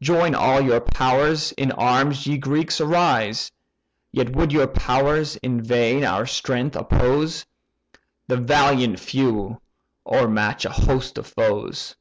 Join all your powers? in arms, ye Greeks, arise! Yet would your powers in vain our strength oppose. The valiant few o'ermatch a host of foes.